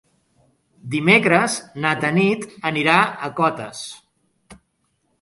Dimecres na Tanit anirà a Cotes.